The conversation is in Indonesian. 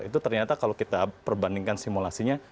itu ternyata kalau kita perbandingkan simulasinya